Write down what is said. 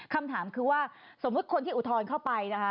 คำถามคือว่าสมมุติคนที่อุทธรณ์เข้าไปนะคะ